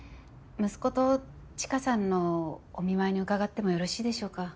息子と知花さんのお見舞いに伺ってもよろしいでしょうか？